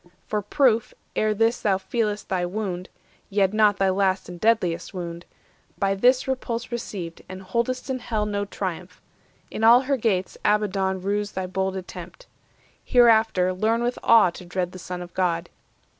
For proof, ere this thou feel'st Thy wound (yet not thy last and deadliest wound) By this repulse received, and hold'st in Hell No triumph; in all her gates Abaddon rues Thy bold attempt. Hereafter learn with awe To dread the Son of God.